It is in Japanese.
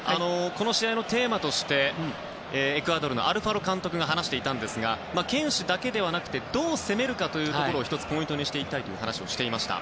この試合のテーマとしてエクアドルのアルファロ監督が話していたんですが堅守だけじゃなくてどう攻めるかというところを１つ、ポイントにしていきたいと話していました。